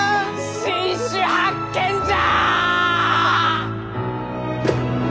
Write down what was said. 新種発見じゃ！